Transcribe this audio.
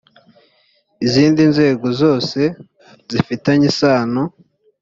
izindi nzego zose zifitanye isano